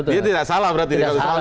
dia tidak salah berarti